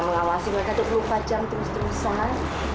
mengawasi mereka dua puluh empat jam terus terusan